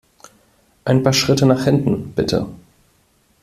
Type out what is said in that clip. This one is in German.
Ein paar Schritte nach hinten, bitte!